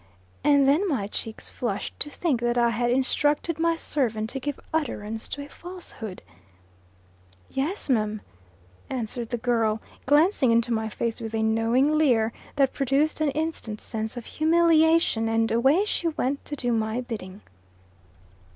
And then my cheeks flushed to think that I had instructed my servant to give utterance to a falsehood. "Yes, mim," answered the girl, glancing into my face with a knowing leer, that produced an instant sense of humiliation; and away she went to do my bidding.